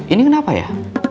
ini kenapa ya